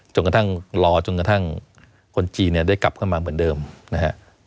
จนกระทั่งรอจนกระทั่งคนจีนเนี่ยได้กลับเข้ามาเหมือนเดิมนะฮะ